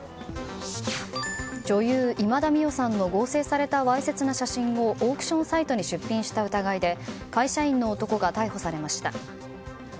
女優・今田美桜さんの合成されたわいせつな写真をオークションサイトに出品した疑いで会社員の男が逮捕されました。